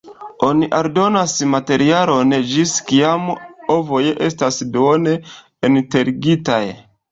Oni aldonas materialon ĝis kiam ovoj estas duone enterigitaj.